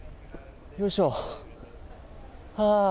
よいしょ。